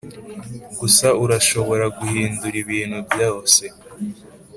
gusa urashobora guhindura ibintu byose